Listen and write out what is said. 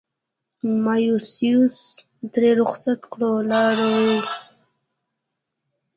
مایوسیو ترې رخصت کړو لارویه